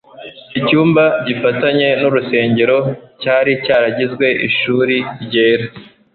icyumba gifatanye n'urusengero, cyari cyaragizwe ishuri ryera,